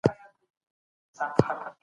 د مسيحي ټولنو حقوقي رکنونه په دې کتاب کي سته.